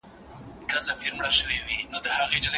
آیا هرات تر مزار پخوانی ښار دی؟